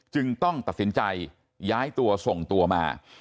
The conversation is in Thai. จึงต้องตัดสินใจย้ายตัวส่งตัวมา